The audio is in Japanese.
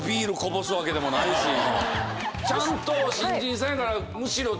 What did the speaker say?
ちゃんと新人さんやから。